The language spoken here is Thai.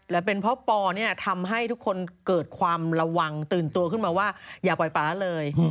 และเป็นเพราะปอเนี่ยทำให้ทุกคนเกิดความระวังตื่นตัวขึ้นมาว่าอย่าปล่อยป๊าเลย